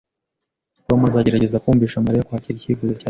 Tom azagerageza kumvisha Mariya kwakira icyifuzo cyawe